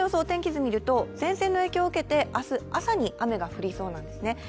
天気図を見ると前線の影響で受けて明日朝に雨が降りそうなんですね。